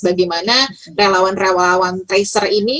bagaimana relawan relawan tracer ini